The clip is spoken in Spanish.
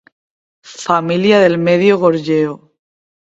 Familia del medio Goryeo.